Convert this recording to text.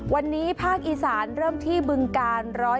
วันนี้ภาคอีสานเริ่มที่บึงกาล๑๐